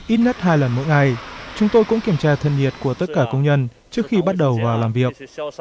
ít nhất hai lần mỗi ngày chúng tôi cũng kiểm tra thân nhiệt của tất cả công nhân trước khi bắt đầu vào làm việc